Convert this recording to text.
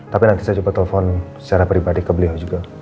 tapi nanti saya coba telepon secara pribadi ke beliau juga